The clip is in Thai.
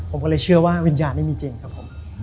ผมก็เลยเชื่อว่าวิญญาณไม่มีจริงครับผม